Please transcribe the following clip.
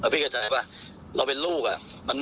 พี่เข้าใจป่ะเราเป็นลูกอ่ะ